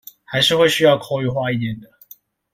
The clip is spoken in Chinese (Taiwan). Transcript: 還是會需要口語化一點的